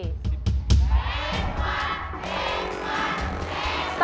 แพงกว่า